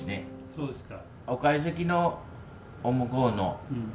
そうですか。